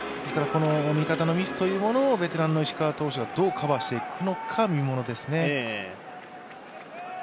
味方のミスというものをベテランの石川投手がどうカバーしていくのか、見ものですね。